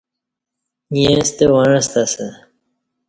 ییں ستہ وعݩستہ اسہ